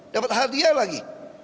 dapat hadiah lagi